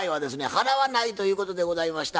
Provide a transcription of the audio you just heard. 払わないということでございました。